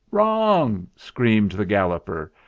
"Wrong!" screamed the Galloper.